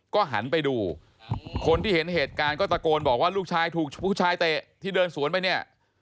ก็หันไปดูคนที่เห็นเหตุการณ์ก็ตะโกนบอกว่าลูกชายถูกผู้ชายเตะที่เดินสวนไปเนี่ย